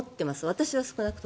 私は少なくとも。